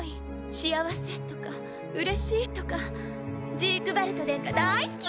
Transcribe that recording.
「幸せ」とか「うれしい」とか「ジークヴァルト殿下大好き！